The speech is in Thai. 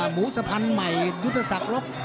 หมูสะพันธุ์ใหม่ยุทธศักดิ์รบ